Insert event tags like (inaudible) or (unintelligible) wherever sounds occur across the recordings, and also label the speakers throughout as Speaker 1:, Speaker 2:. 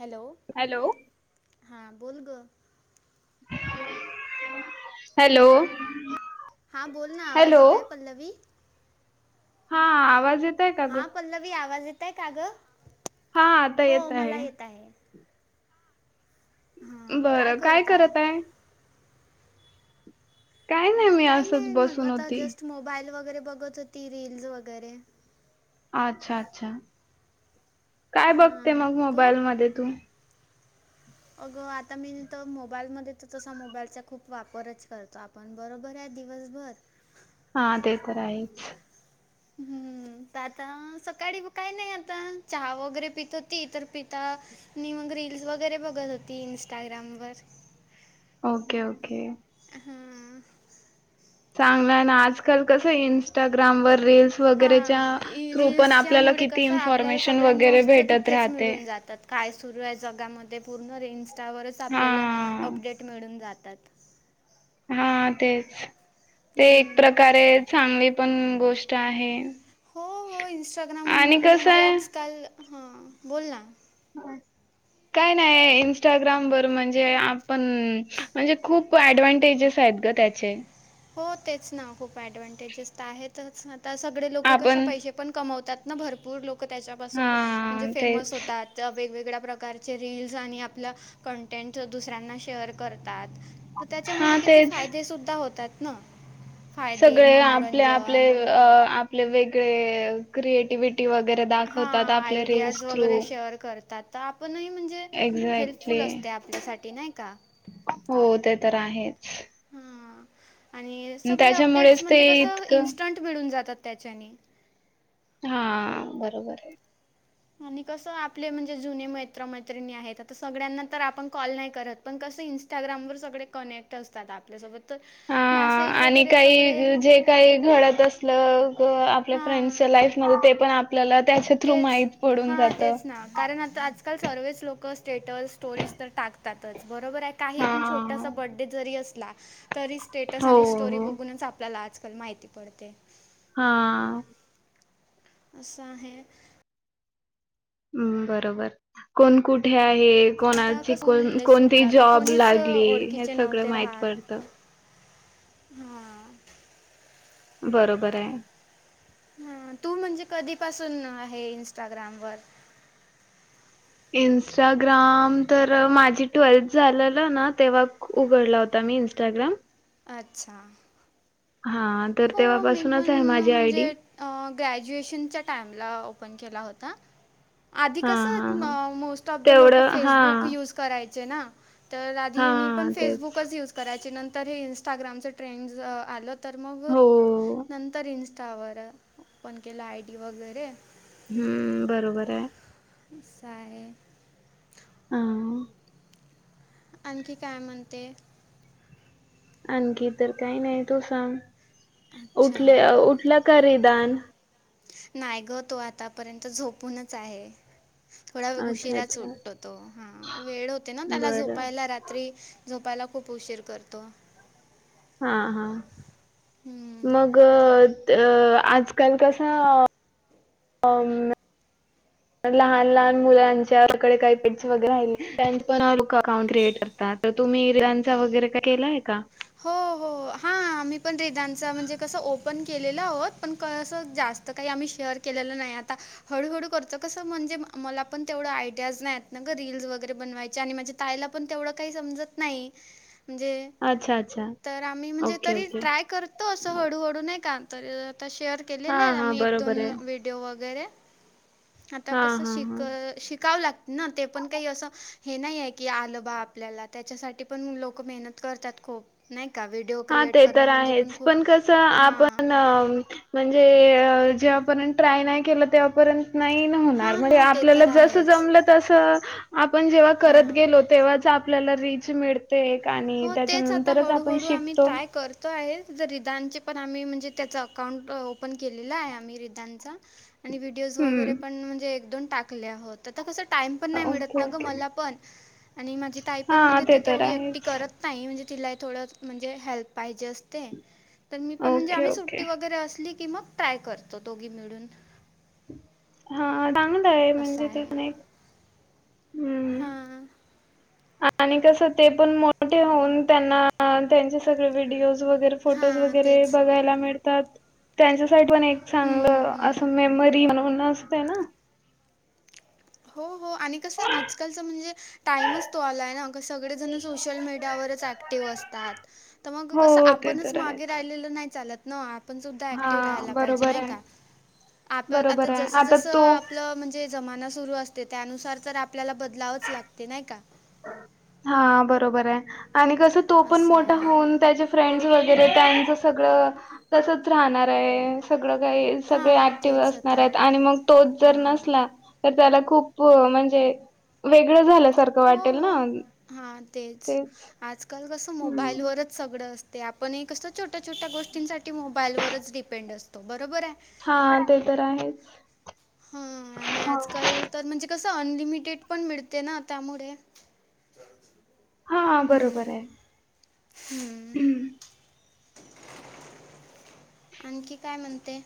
Speaker 1: Hello.
Speaker 2: Hello.
Speaker 1: हा बोल ग.
Speaker 2: हॅलो.
Speaker 1: हा बोल ना आवाज
Speaker 2: हॅलो
Speaker 1: येतय पल्लवी.
Speaker 2: हा आवाज येत आहे का ग
Speaker 1: हा पल्लवी आवाज येत आहे का ग
Speaker 2: हा आता
Speaker 1: हो
Speaker 2: येत
Speaker 1: मला येत आहे.
Speaker 2: बरं काय करत आहे. काय
Speaker 1: अ
Speaker 2: नाही मी
Speaker 1: काही
Speaker 2: असंच
Speaker 1: नाही म
Speaker 2: बसून
Speaker 1: आता
Speaker 2: होती
Speaker 1: जस्ट मोबाईल वगैरे बघत होती रील्स वगैरे.
Speaker 2: अच्छा अच्छा काय बघते
Speaker 1: हां
Speaker 2: मग
Speaker 1: तू
Speaker 2: मोबाईल मध्ये तू.
Speaker 1: अगं आता मी तर मोबाईल मध्ये तर तसा मोबाईलचा खूप वापरच करतो आप पण बरोबर दिवस भर
Speaker 2: हा ते तर आहेच.
Speaker 1: हम्म. आता सकाळी काय नाही आता चहा वगैरे पित होती तर पिता मी मग रील्स वगैरे बघत होती इंस्टाग्राम वर
Speaker 2: ओके ओके.
Speaker 1: हम्म.
Speaker 2: चांगल हेना आजकाल कसं इंस्टाग्रामवर रील्स. वगैरेच्या
Speaker 1: हां
Speaker 2: थ्रू पण आपल्याला
Speaker 1: रील्ससच्यामुळे
Speaker 2: किती
Speaker 1: कसं आपल्याला
Speaker 2: इन्फॉर्मेशन
Speaker 1: सगळ्या
Speaker 2: वगैरे
Speaker 1: न्यूज तर
Speaker 2: भेटत
Speaker 1: तिथेच
Speaker 2: राहते
Speaker 1: मिळून जातात. काय सुरू आहे जगामध्ये पूर्ण रील इन्स्टावरच
Speaker 2: हा
Speaker 1: आपल्याला अपडेट मिळून जातात.
Speaker 2: हा तेच ते एक
Speaker 1: हं.
Speaker 2: प्रकारे चांगली पण गोष्ट आहे.
Speaker 1: हो.. हो.. इन्स्टाग्राम...
Speaker 2: आणि
Speaker 1: म...
Speaker 2: कसं
Speaker 1: म्हणजे
Speaker 2: आहे
Speaker 1: आज काल हा.. बोल ना
Speaker 2: काय नाय.. इनस्टाग्रामवर म्हणजे आप.. ण म्हणजे खूप ऍडव्हन्टेजेस आहेत ग.. त्याचे
Speaker 1: हो तेच ना.. खूप ऍडव्हनटेजेस आहेतच, आता सगळे लोक कसे
Speaker 2: आपण
Speaker 1: पैसे पण कमवतात ना भरपूर लोक त्याच्यापासून म्हणजे
Speaker 2: हा
Speaker 1: फेमस
Speaker 2: तेच
Speaker 1: होतात. ज्या वेगवेगळ्या प्रकारचे रील्स आणि आपलं कंटेंट दुसऱ्यांना शेअर करतात. तर त्याच्यामुळे
Speaker 2: हा
Speaker 1: किती
Speaker 2: तेच
Speaker 1: फायदे सुद्धा होतात ना. फायदे
Speaker 2: सगळे आपले.. आपले..
Speaker 1: मनोरंजन
Speaker 2: आपले अ.. आपले वेगळे अ.. क्रिएटिव्हटी वगैरे दा
Speaker 1: हा.. आयडियाज वगैरे शेअर करतात. तर आपणही म्हणजे... हेल्प फुल
Speaker 2: एक्झॅक्टली
Speaker 1: असते आपल्यासाठी नाही का
Speaker 2: हो.. ते तर आहेच.
Speaker 1: ह्म्म्म आणि सगळे अपडेट्स
Speaker 2: त्याच्यामुळेच ते
Speaker 1: म्हणजे कसं
Speaker 2: इतकं
Speaker 1: इन्स्टंट मिळून जातात त्याच्यानी
Speaker 2: हा.. बरोबर
Speaker 1: आणि कसं आपले म्हणजे जुने मैत्र -मैत्रिणी आहेत आता सगळ्यांना तर आपण कॉल नाही करत पण कसं इन्स इंस्टाग्रामवर सगळे कनेक्ट असतात आपल्यासोबत, तर
Speaker 2: हा
Speaker 1: मॅसेज
Speaker 2: आणि
Speaker 1: वगैरे सगळे
Speaker 2: काही जे काही घडत असलं... ग आपल्या
Speaker 1: हां
Speaker 2: फ्रेंड्सच्या लाईफ मध्ये ते पण आप आपल्याला त्याचे
Speaker 1: तेच.. हा.. तेच ना, कारण आता आजकाल सर्वेच लोक स्टेटस, स्टोरीज तर टाक टाकतातच बरोबर आहे, काही
Speaker 2: हा
Speaker 1: पण छोटासा बडे जरी असला तरी स्टेटस
Speaker 2: हो
Speaker 1: आणि स्टोरी
Speaker 2: हो
Speaker 1: बघूनच आपल्याला आजकाल माहिती पडते.
Speaker 2: हा
Speaker 1: अस‌ आहे.
Speaker 2: हम्म.. बरोबर कोण कुठे आहे,
Speaker 1: आता
Speaker 2: कोणाची
Speaker 1: कसं
Speaker 2: कोण..
Speaker 1: स्कूल
Speaker 2: कोणती
Speaker 1: सुटला की
Speaker 2: जॉब
Speaker 1: कोणीच अ,
Speaker 2: लागली हे सगळं माहित पडतं.
Speaker 1: ह्म्म्
Speaker 2: बरोबर आहे.
Speaker 1: ह्.. तू म्हणजे कधीपासून आहे इंस्टाग्राम वर
Speaker 2: इंस्टाग्राम तर माझी ट्वेल्थ झालेलं ना तेव्हा उघडला होता मी इंस्टाग्राम
Speaker 1: अच्छा
Speaker 2: हा.. अन
Speaker 1: हो.. मी पण म्हणजे अ.. ग्रॅज्युएशनच्या टाइमला ओपन केला होता. आधी
Speaker 2: हा
Speaker 1: कसं
Speaker 2: हा
Speaker 1: म.. मोस्ट ऑफ द लोक
Speaker 2: तेवढं
Speaker 1: फेसबुक
Speaker 2: हा
Speaker 1: यूज करायचे ना, तर आधी
Speaker 2: हा
Speaker 1: मी पण
Speaker 2: तेच
Speaker 1: फेसबुकच यूज करायचे नंतर हे इन्स्टाग्रामचं ट्रेंड.. ज.. आलं तर मग
Speaker 2: हो
Speaker 1: नंतर इन्स्टावर ओपन केला आय. डी. वगैरे
Speaker 2: हम्म.. बरोबर आहे.
Speaker 1: सा.. ये
Speaker 2: अ
Speaker 1: आणखी काय म्हणते
Speaker 2: आणखी तर काही नाही तू सांग..
Speaker 1: अच्छा
Speaker 2: उठले उठला का रिदान?
Speaker 1: नाय गं.. तो आतापर्यंत झोपूनच आहे. थोडा
Speaker 2: अच्छा
Speaker 1: उशिरा च
Speaker 2: अच्छा
Speaker 1: उटतो तो, हा.. वेळ होते ना त्याला
Speaker 2: बरं
Speaker 1: झोपायला रात्री झोपायला खूप उशीर करतो.
Speaker 2: हा हा
Speaker 1: हम्म.
Speaker 2: मग. क त आजकाल कसं. लहान लहान मुलांच्याकडे काही वगैरे राहि पण लुक अकाउंट क्रिएटर त आता तुम्ही वेदांतचा वगैरे का केलाय का?
Speaker 1: हो हो हा आम्ही पण रिदांचा म्हणजे कसं ओपन केलेलोत पण कळसच जास्त् त काई आम्ही शेअर केलेलं नाई आता. हळूहळू करतो कसं म्हणजे मला पण तेवढं आयडियाज नाईयत ना ग रील्स वगैरे बनवायच्या आणि म्हजे तायला पण तेवढं काई समजत नाई म्हणजे
Speaker 2: अच्छा अच्छा.
Speaker 1: तर आम्ही म्हणजे
Speaker 2: ओके
Speaker 1: तरी
Speaker 2: ओके
Speaker 1: ट्राय करतो असं हळूहळू नाई का तरी त शेअर
Speaker 2: हा
Speaker 1: केलेले
Speaker 2: हा
Speaker 1: आम्ही एक
Speaker 2: बरोबर
Speaker 1: दोन
Speaker 2: आहे
Speaker 1: व्हिडिओ वगैरे आता
Speaker 2: हा
Speaker 1: कसं
Speaker 2: हा
Speaker 1: शिक
Speaker 2: हा
Speaker 1: शिकावं लाग ना ते पण काई असं हे नाईये की आलं बा आपल्याला त्याच्यासाठी पण लोकं मेहनत करतात खूप. नाई कावीड
Speaker 2: हा ते तर आहेच पण कसं
Speaker 1: हां
Speaker 2: आपण म्हणजे जेव्हापर्यंत ट्राय नाही केलं तेव्हापर्यंत नाई ना होणार
Speaker 1: हां
Speaker 2: म्हणजे
Speaker 1: हां ते
Speaker 2: आपल्याला
Speaker 1: तर
Speaker 2: जसं
Speaker 1: आहेच
Speaker 2: जमलं तसं आपण जेव्हा करत
Speaker 1: हां
Speaker 2: गेलो तेव्हाच आपल्याला रीच मिळ ते एक आणि त्याच्यानंतरच आपण शिक
Speaker 1: ताय करतो आहे जर रिधानचे पण आम्ही म्हणजे त्याचं अकाउंट ओपन केलेलं आहे आम्ही रिदानचा. आणि व्हिड् ओज वगैरे
Speaker 2: हम्म
Speaker 1: पण म्हणजे एक दोन टाकले आहो त आता कसं टाइम पण नाय मिळत
Speaker 2: ओके
Speaker 1: ना ग
Speaker 2: ओके
Speaker 1: मला पण. आणि माझी ताई पण
Speaker 2: हा
Speaker 1: म्हणजे ती
Speaker 2: ते तर
Speaker 1: तेवढी एकटी
Speaker 2: आहेच.
Speaker 1: करत नाही म्हणजे तिला थोडं म्हणजे हेल्प पाहीजे असते. तर मी पण म्हणजे
Speaker 2: ओके
Speaker 1: आम्ही
Speaker 2: ओके
Speaker 1: सुट्टी वैगेरे असली की मग ट्राय करतो दोघी मिळून.
Speaker 2: हा चांगलंय
Speaker 1: असं
Speaker 2: म्हणजे ते
Speaker 1: आहे
Speaker 2: पण एक हम्म
Speaker 1: हां.
Speaker 2: आणि कसं ते पण मोठे होऊन त्यांना त्यांचे सगळे व्हिडिओज वगैरे फोटोज
Speaker 1: हां
Speaker 2: वगैरे
Speaker 1: तेच
Speaker 2: बघायला मिळतात. त्यांच्या साठी पण एक
Speaker 1: हम्म,
Speaker 2: चांगलं
Speaker 1: हम्म.
Speaker 2: असं मेमरी म्हणून असते न.
Speaker 1: हो हो आणि कसं आजकालचा म्हणजे टामच तो आलाय ना ग सगळेजण सोशल मीडियावरच ऍक्टिव्ह असतात. त मग
Speaker 2: हो
Speaker 1: कसं
Speaker 2: ते
Speaker 1: आपणच
Speaker 2: तर
Speaker 1: मागे
Speaker 2: आहेच.
Speaker 1: राहिलेलं नाय चालत. आपण सुुद्धा
Speaker 2: हा
Speaker 1: राहायला पायजे
Speaker 2: बरोबर
Speaker 1: नाई
Speaker 2: आहे.
Speaker 1: का. आप आता
Speaker 2: बरोबर आहे
Speaker 1: जसं
Speaker 2: आता
Speaker 1: जसं
Speaker 2: तो
Speaker 1: आपलं म्हणजे जमाना सुरु असते त्यानुसार तर आपल्याला बदलावच लागते नाय का?
Speaker 2: हां बरोबराय आणि कसं तो पण
Speaker 1: असं
Speaker 2: मोठा
Speaker 1: आहे.
Speaker 2: होऊन त्याचे फ्रेंड्स वग् -गैरे त्यांचं सगळं तसंच राहणाराय. सगळं काई सगळे
Speaker 1: हां,
Speaker 2: ऍक्टिव्ह
Speaker 1: तेच आता.
Speaker 2: असणारायत आणि मग तोच जर
Speaker 1: हां.
Speaker 2: नसला तर त्याला खूप म्हणजे वेगळं झाल्यासारखं
Speaker 1: हो,
Speaker 2: वाट
Speaker 1: हो हा तेच आजकाल कसं
Speaker 2: हम्म
Speaker 1: मोबाईलवरच् सगळं असते आपण एक असत छोट्या छोट्या गोष्टींसाठी मोबाईलवरच डिपेंड असतो बरोबरे.
Speaker 2: हा ते तर आहेच.
Speaker 1: हां आणि आजकाल तर म्हणजे कसं अनलिमिटेड पण मिळते ना त्यामुळे
Speaker 2: हा
Speaker 1: हू
Speaker 2: बरोबर आहे.
Speaker 1: हू आणखी काय म्हणते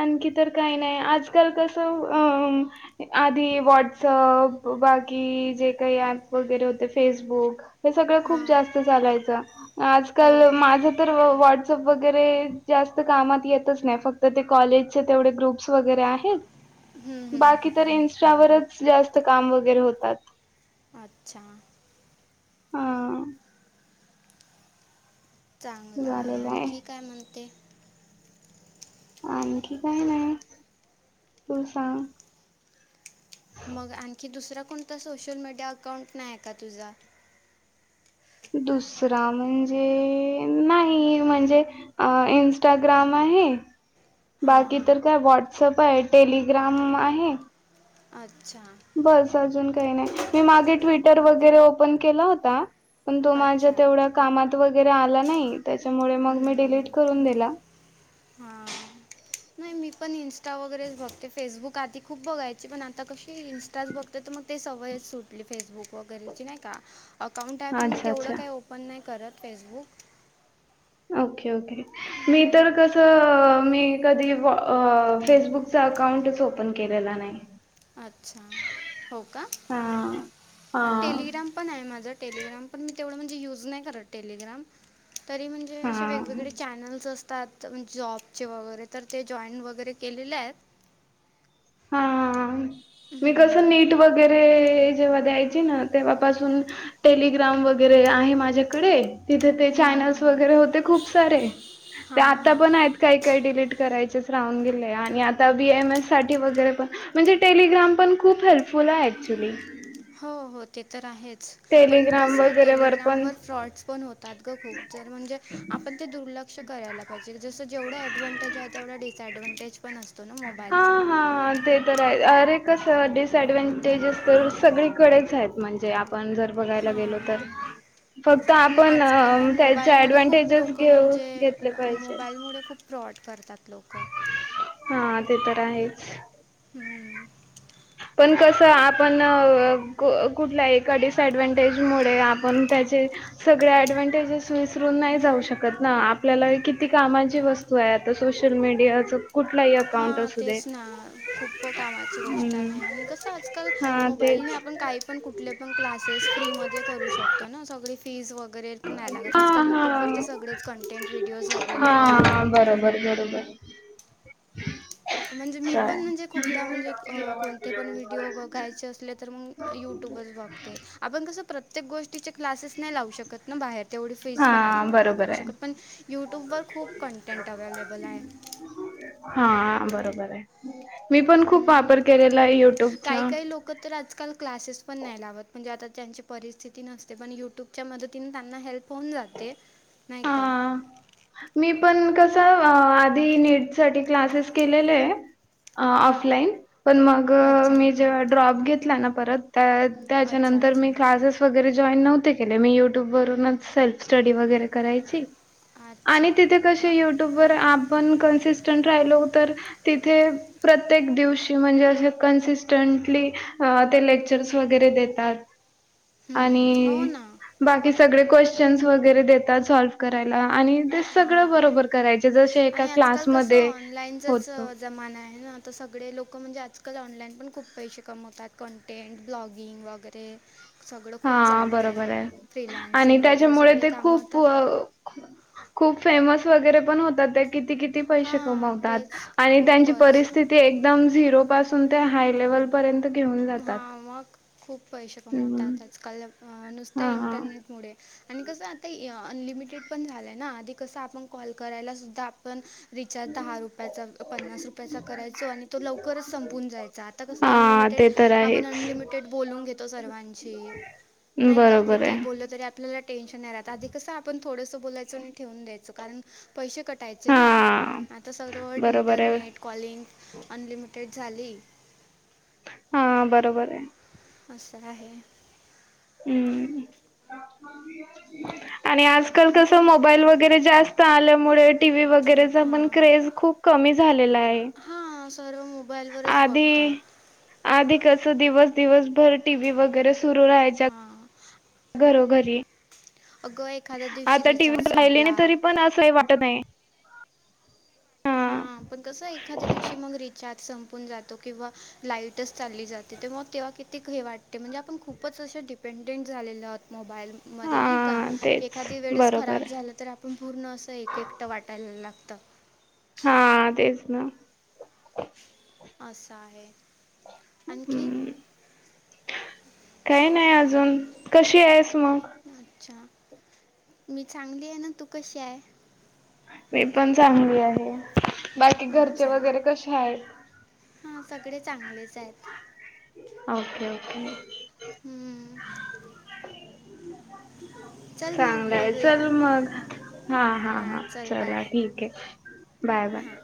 Speaker 2: आणखी तर काय नाही आजकाल कसं अ आधी व्हॉट्सअप बाकी जे काही ऍप वगैरे होते फेसबुक हे सगळं खूप
Speaker 1: हां,
Speaker 2: जास्त चालायचं
Speaker 1: हो.
Speaker 2: आजकाल माझं तर व्हॉट्सअँप वगैरे जास्त कामात येतच नाही फक्त ते कॉलेजचे तेवढे ग्रुप्स वगैरे आहेत
Speaker 1: हं, हं.
Speaker 2: बाकी तर इन्स्टावरच जास्त काम वगैरे होतात
Speaker 1: अच्छा
Speaker 2: हा
Speaker 1: चांगलं आहे आणखी काय म्हणते
Speaker 2: आणखी काय नाही तू सांग
Speaker 1: मग आणखी दुसरा कोणता सोशल मीडिया अकाउंट नाही का तुझा
Speaker 2: दुसरा म्हणजे नाही म्हणजे अ इन्स्टाग्राम आहे
Speaker 1: हां,
Speaker 2: बाकी
Speaker 1: हां.
Speaker 2: तर काय व्हॉट्सअप आहे टेलिग्राम आहे
Speaker 1: अच्छा
Speaker 2: बस अजून काय नाही मी मागे ट्विटर वगैरे ओपन केला होता पण तो माझ्या
Speaker 1: अच्छा.
Speaker 2: तेवढ्या कामात वगैरे आला नाही त्याच्यामुळे मग मी डिलीट करून दिला
Speaker 1: हा नाही मी मी पण इंन्स्टा वगैरेच बघते फेसबुक आधी खूप बघायची पण आता कशी इंन्स्टाच बघते तर मग ते सवयच सुट ली फेसबुक वगैरेची नाही का अकाउंट आहे पण मी
Speaker 2: अच्छा
Speaker 1: तेवढं
Speaker 2: अच्छा
Speaker 1: काय ओपन नाही करत फेसबुक
Speaker 2: ओके ओके मी तर
Speaker 1: हां
Speaker 2: कसं मी कधी फेसबुकचा अकाउंटच ओपन केलेला नाही
Speaker 1: अच्छा हो का
Speaker 2: हा हा
Speaker 1: टेलिग्राम पण आहे माझ टेलिग्राम पण मी तेवढ म्हणजे युज नाही करत टेलिग्राम तरी म्हण जे असे
Speaker 2: हा
Speaker 1: वेगवेगळे चॅनल्स असतात जॉबचे वगैरे तर ते जॉईन वगैरे केलेले आहेत
Speaker 2: हा हा हा मी कसं
Speaker 1: हं.
Speaker 2: नीट वगैरे जेव्हा द्यायची ना तेव्हापासून टेलिग्राम वगैरे आहे माझ्याकडे तिथे ते
Speaker 1: हं, हं,
Speaker 2: चॅनल्स
Speaker 1: हं.
Speaker 2: वगैरे होते खूप सारे ते
Speaker 1: हां,
Speaker 2: आता
Speaker 1: हां.
Speaker 2: पण आहेत काही काही डिलीट करायचेच राहून गेले आणि आता बी एमएस साठी वगैरे पण म्हणजे टेलिग्राम पण खूप हेल्पफुल आहे ऍक्चुली
Speaker 1: हो हो ते तर आहेच पण
Speaker 2: टेलिग्राम
Speaker 1: कसं हाय
Speaker 2: वगैरे वर पण
Speaker 1: टेलिग्रामवर फ्रॉडस पण हो तात ग खूप जर म्हणजे आपण ते दुर्लक्ष करायला पाहिजे जसं जेवढं ऐडवान्टेज आहे तेवढ डी डिसअडव्हांटेज पण असतोना म
Speaker 2: हा हा ते तर अरे कसं डिसएडव्हनटेजेस तर सगळीकडेच आहेत म्हणजे आपण जर बघायला गेलो
Speaker 1: हां.
Speaker 2: तर फक्त
Speaker 1: पण
Speaker 2: आपण
Speaker 1: आज ह्या
Speaker 2: त्याचे
Speaker 1: मोबाईलमुळे खूप
Speaker 2: ऍडव्हानटेजेस
Speaker 1: लोकं
Speaker 2: घेऊ
Speaker 1: म्हणजे
Speaker 2: घेतले
Speaker 1: अ,
Speaker 2: पाहिजे
Speaker 1: मोबाईलमुळे खूप फ्रॉड करतात लोकं
Speaker 2: हा ते तर आहेच
Speaker 1: हू
Speaker 2: पण कसं आपण कुठल्या एका डिसएडव्हानटेज मुळे आपण त्याचे सगळ ऍडव्हानटेजेस विसरून नाही जाऊ शकत ना आपल्याला किती कामाची व स्तू आहे आता सोशल मीडियाच कुठलाही
Speaker 1: हा
Speaker 2: अकाउंट असू दे.
Speaker 1: तेच ना खूप कामाची गोष्ट
Speaker 2: हम्म
Speaker 1: आहे आणि कस आजकाल
Speaker 2: हा
Speaker 1: मोबाईलने
Speaker 2: तेच
Speaker 1: आपण काही पण कुठले पण. क्लासेस फ्रीमध्ये करू शकतो ना सगळी. फीज वगैरे पण नाही लागत
Speaker 2: हा
Speaker 1: आजकाल
Speaker 2: हा
Speaker 1: युट्यूब वर तर सगळेच कंटेंट व्हिडिओज अव्लेलेबल आहेत. ह.
Speaker 2: हम्.
Speaker 1: म्हणजे मी पण म्हणजे खुपदा म्हणजे कोणते पण व्हिडिओ बघायचे असले तर मग. युट्यूबच बघते आपण कसं प्रत्येक गोष्टीचे क्लासेस नाही लावू शकत ना बाहेर तेवढी फीज
Speaker 2: हा
Speaker 1: पण अफर्ड नाही
Speaker 2: बरोबर
Speaker 1: करू
Speaker 2: आहे.
Speaker 1: शकत पण यूट्यूबवर खूप कन्टेट अवेलेबल आहे.
Speaker 2: हा बरोबर आहे मी पण खूप वापर केलेला आहे युट्यूबचा
Speaker 1: लोक तर आजकाल क्लासेस पण नाही लावत म्हणजे आता ज्यांची परिस्थिती नसते पण युट्यूब च्या मदतीने त्यांना हेल्प होऊन जाते नाही का.
Speaker 2: हा. मी पण कस आधी नीट साठी क्लासेस केलेले आहे.
Speaker 1: हां
Speaker 2: ऑफलाइन पण मग
Speaker 1: अच्छा
Speaker 2: मी जेव्हा ड्रॉप घेतला ना परत त्या
Speaker 1: अच्छा
Speaker 2: त्याच्यानंतर
Speaker 1: अच्छा
Speaker 2: मी क्लासेस वगैरे जॉईन नव्हते केले मी युट्यूब वरूनच सेल्फ स्टडी वगैरे. करायचि
Speaker 1: अच्छा
Speaker 2: आणि तिथे
Speaker 1: हो का
Speaker 2: कसे युट्यूबवर आपण कन्सिस्टन राहिलो तर. तिथे प्रत्येक दिवशी म्हणजे असे कन्सिस्टंटली ते लेक्चर्स वगैरे देतात.
Speaker 1: हं.
Speaker 2: आणि बाकी सगळे क्वेश्चन वगैरे देतात सॉल्व करायला आणि ते सगळं
Speaker 1: हां
Speaker 2: बरोबर करायचे जर
Speaker 1: आणि आजकाल कसं ऑनलाईनचच
Speaker 2: होतो
Speaker 1: जमाना आहे ना आता सगळे लोकं म्हणजे आजकाल ऑनलाईन पण खूप पैसे कमवतात कंटेन्ट ब्लॉगिंग वगैरे. ते
Speaker 2: हा बरोबर आहे आणि
Speaker 1: फ्रीलान्सिंग वगैरे
Speaker 2: त्याच्यामुळे
Speaker 1: सगळे
Speaker 2: ते
Speaker 1: कामं
Speaker 2: खूप
Speaker 1: आता
Speaker 2: खूप फेमस वगैरे पण होतात ते. किती किती पैसे
Speaker 1: हां
Speaker 2: कमवतात
Speaker 1: तेच
Speaker 2: आणि त्यांची
Speaker 1: खूपच
Speaker 2: परिस्तिथी ते एकदम झिरो पासून ते हाय लेवलपर्यंत.
Speaker 1: हा मग खूप पैसे
Speaker 2: हम्म
Speaker 1: कमवतात आजकाल. अ नुसत
Speaker 2: हा
Speaker 1: इंटरनेट मुळेच. आणि कसं आता अनलिमिटेड झालंय ना आधी कसं आपण कॉल करायला सुद्धा पण रिचार्ज दहा रुपयाचा पन्नास रुपयाचा करायचो आणि तो लवकरच संपून जायचा. आता आता‌ कसा
Speaker 2: हा
Speaker 1: अनलिटेड
Speaker 2: ते तर
Speaker 1: आपण
Speaker 2: आहेच
Speaker 1: अनलिमिटेड बोलून घेतो सर्वांशी नाही का
Speaker 2: बरोबर
Speaker 1: किती
Speaker 2: आहे
Speaker 1: बोललं तरी आपल्याला टेन्शन नाही राहत आधी कसा पण थोडसं बोलायचं ठेवून द्यायचं. करण पैशे कट टायचे
Speaker 2: हा
Speaker 1: ना
Speaker 2: बरोबर आहे
Speaker 1: इंटरनेट, कॉलिंग अनलिमिटेड झाली.
Speaker 2: हा बरोबर आहे.
Speaker 1: असं आहे.
Speaker 2: हम् आणि आजकाल
Speaker 1: म,
Speaker 2: कस
Speaker 1: पण
Speaker 2: मोबाईल वगैरे जास्त आल्यामुळे टी व्ही वगैरेचा पण
Speaker 1: हां
Speaker 2: क्रेज खूप कमी झालेला आहे.
Speaker 1: हा सर्व मोबाईल
Speaker 2: आधी कस दिवस दिवसभर टीव्ही वगैरे सुरू राहायच्या
Speaker 1: हां
Speaker 2: घरोघरी.
Speaker 1: अगं एखाद्या दिवशी
Speaker 2: आता
Speaker 1: रिचार्ज
Speaker 2: टीव्ही राहिली
Speaker 1: संपला.
Speaker 2: नाही तरी पण असंही वाटत नाही.
Speaker 1: हा पण कसं एखाद्या दिवशी मग रिचार्ज रिचार्ज संपून जातो किंवा लाईटच चालली जाते तर मग तेव्हा किती हे वाट ते म्हणजे आपण खूपच असे डिपेंडेंट झालेले आहोत मोबाईल मध्ये नाही का
Speaker 2: हा तेच
Speaker 1: एखादी वेळेस
Speaker 2: बरोबर
Speaker 1: खराब
Speaker 2: आहे.
Speaker 1: झालं तर, पण पूर्ण असं एक एकटं वाटायला लागतं.
Speaker 2: हा तेच ना.
Speaker 1: असं आहे. आणखी,
Speaker 2: हम्म काही नाही अजून, कशी आहेस मग?
Speaker 1: अच्छा! मी चांगली आहे ना, तू कशी आहे?
Speaker 2: मी पण चांगली आहे, बाकी घरचे वगैरे कशे आहेत.
Speaker 1: हा सगळे चांगलेच आहे
Speaker 2: (unintelligible)
Speaker 1: हम्म (unintelligible) चल मग
Speaker 2: चांगलंय
Speaker 1: बोलूया
Speaker 2: चल मग हा हा
Speaker 1: हां
Speaker 2: हा
Speaker 1: चल बाय
Speaker 2: चला ठीक आहे. बाय
Speaker 1: हां
Speaker 2: बाय.